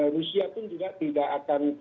rusia pun juga tidak akan